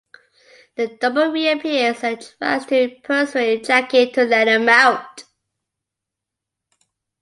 The double reappears and tries to persuade Jackie to let him out.